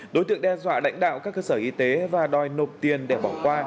đối tượng đe dọa lãnh đạo các cơ sở y tế và đòi nộp tiền để bỏ qua